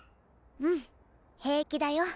⁉うん平気だよ。